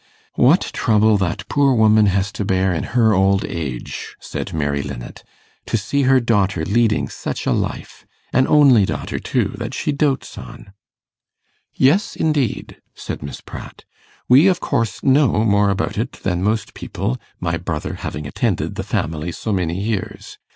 'What trouble that poor woman has to bear in her old age!' said Mary Linnet, 'to see her daughter leading such a life! an only daughter, too, that she doats on.' 'Yes, indeed,' said Miss Pratt. 'We, of course, know more about it than most people, my brother having attended the family so many years.